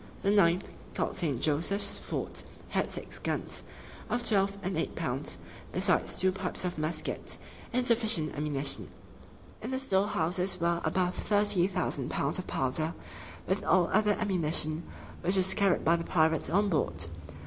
The ninth, called St. Joseph's Fort, had six guns, of twelve and eight pounds, besides two pipes of muskets, and sufficient ammunition. In the storehouses were above thirty thousand pounds of powder, with all other ammunition, which was carried by the pirates on board.